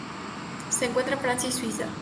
Se encuentra en Francia y Suiza.